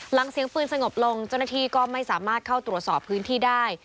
เสียงปืนสงบลงเจ้าหน้าที่ก็ไม่สามารถเข้าตรวจสอบพื้นที่ได้